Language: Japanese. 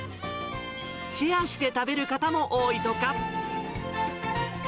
シェアして食べる方も多いとか。